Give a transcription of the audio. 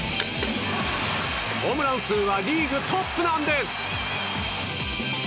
ホームラン数はリーグトップなんです！